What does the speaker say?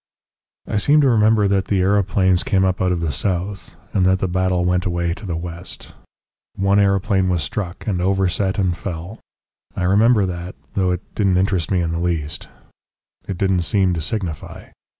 "I seem to remember that the aeroplanes came up out of the south, and that the battle went away to the west. One aeroplane was struck, and overset and fell. I remember that though it didn't interest me in the least. It didn't seem to signify.